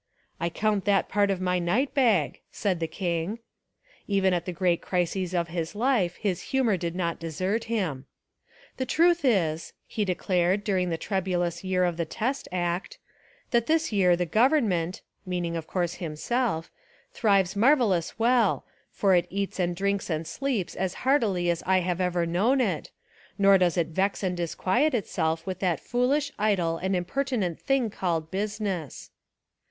"I count that part of my night bag," said the king. Even at the great crises of his life his humour did not desert him. "The truth is," he declared during the troublous year of the Test Act, — "that this year the government" (meaning of course himself) "thrives marvel lous well, for it eats and drinks and sleeps as heartily as I have ever known it, nor does it vex and disquiet itself with that foolish, idle and impertinent thing called business."